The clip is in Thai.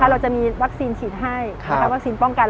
เราจะมีวัคซีนฉีดให้วัคซีนป้องกัน